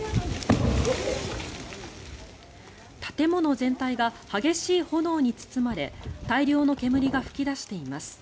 建物全体が激しい炎に包まれ大量の煙が噴き出しています。